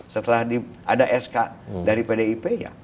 setelah ada sk dari pdip ya